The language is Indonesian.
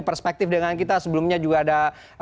perspektif dengan kita sebelumnya juga ada